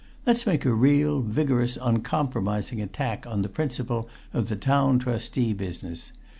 Let's make a real, vigorous, uncompromising attack on the principle of the Town Trustee business.